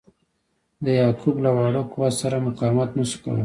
د یعقوب له واړه قوت سره مقاومت نه سو کولای.